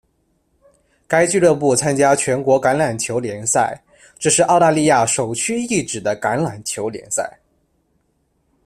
该俱乐部参加全国橄榄球联赛，这是澳大利亚首屈一指的橄榄球联赛。